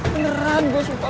beneran gua sumpah